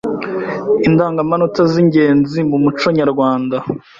Indangamanota z’ingenzi mu muco Nyarwanda”